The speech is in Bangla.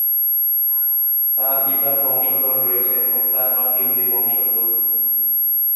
তাঁর পিতার বংশধর রয়েছে এবং তাঁর মা ইহুদি, বংশোদ্ভূত।